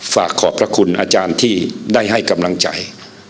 ขอบพระคุณอาจารย์ที่ได้ให้กำลังใจ